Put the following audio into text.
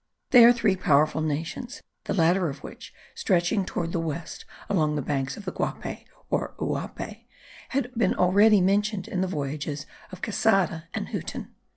They are three powerful nations, the latter of which, stretching toward the west along the banks of the Guape or Uaupe, had been already mentioned in the voyages of Quesada and Huten.